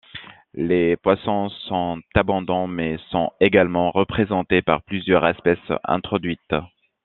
Les poissons sont abondants mais sont également représentés par plusieurs espèces introduites.